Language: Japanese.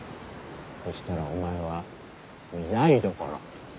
そしたらお前は御台所。